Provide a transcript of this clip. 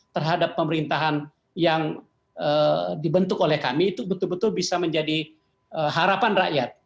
terhadap pemerintahan yang dibentuk oleh kami itu betul betul bisa menjadi harapan rakyat